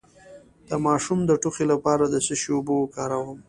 د ماشوم د ټوخي لپاره د څه شي اوبه وکاروم؟